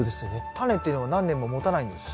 タネっていうのは何年ももたないんですか？